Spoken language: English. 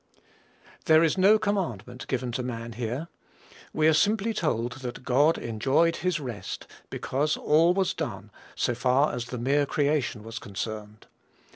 There is no commandment given to man, here. We are simply told that God enjoyed his rest, because all was done, so far as the mere creation was concerned.